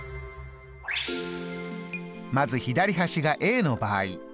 まず左端がＡの場合